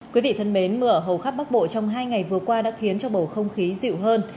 quý vị thân mến mưa ở hầu khắp bắc bộ trong hai ngày vừa qua đã khiến cho bầu không khí dịu hơn